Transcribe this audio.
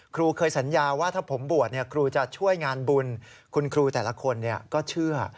ครูเคยสัญญาว่าถ้าผมบวชครูจะช่วยงานบุญคุณครูแต่ละคนก็เชื่อ